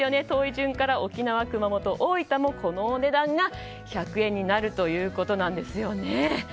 遠い順から沖縄、熊本、大分もこのお値段が１００円になるということなんですよね。